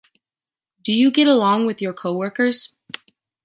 Do you get along with your coworkers?